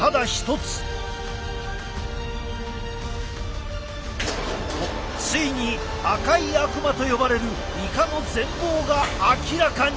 ついに赤い悪魔と呼ばれるイカの全貌が明らかに！